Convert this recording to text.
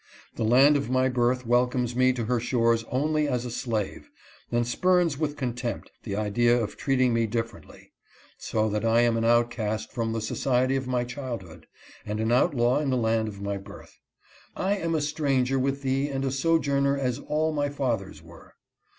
The land of my birth welcomes me to her shores only as a slave, and spurns with contempt the idea of treating me differently; so that I am an outcast from the society of my child hood, and an outlaw in the land of my birth. ' I am a stranger with thee and a sojourner, as all my fathers were.'